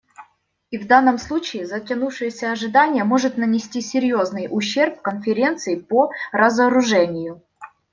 И в данном случае затянувшееся ожидание может нанести серьезный ущерб Конференции по разоружению.